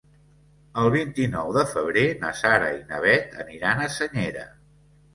El vint-i-nou de febrer na Sara i na Bet aniran a Senyera.